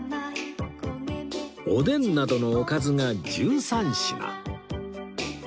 おでんなどのおかずが１３品